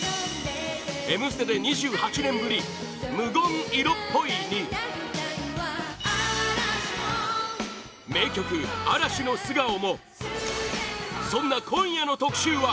「Ｍ ステ」で２８年ぶり「ＭＵＧＯ ・ん色っぽい」に名曲「嵐の素顔」もそんな今夜の特集は